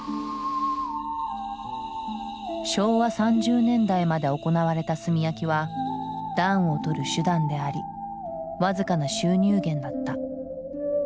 昭和３０年代まで行われた炭焼きは暖をとる手段であり僅かな収入源だった。